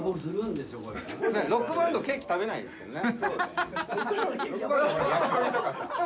ロックバンド、ケーキ食べないですからね。